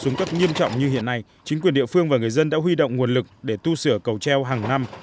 xuống cấp nghiêm trọng như hiện nay chính quyền địa phương và người dân đã huy động nguồn lực để tu sửa cầu treo hàng năm